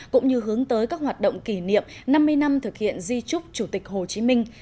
cũng như hướng tới các hoạt động kỷ niệm năm mươi năm thực hiện di trúc chủ tịch hồ chí minh